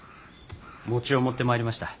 餅を持ってまいりました。